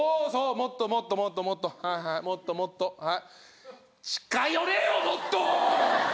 もっともっともっともっとはいはいもっともっとはい近寄れよもっと！